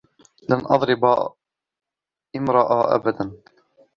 لن أضرب امرأة أبدا.